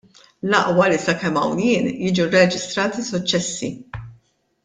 L-aqwa li sakemm hawn jien jiġu rreġistrati suċċessi!